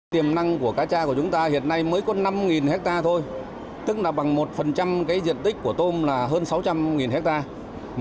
tiềm năng của cá cha của chúng ta hiện nay mới có năm hectare thôi tức là bằng một diện tích của tôm là hơn sáu trăm linh hectare